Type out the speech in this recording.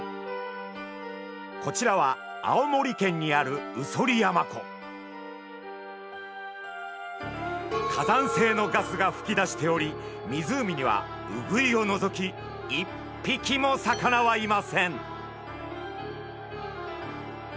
こちらは火山性のガスがふき出しており湖にはウグイを除き一匹も魚はいません！